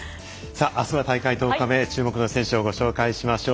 あすは大会１０日目注目の選手を紹介しましょう。